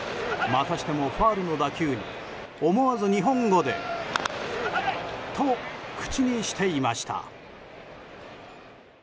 またしてもファウルの打球に危ない！と口にしていました。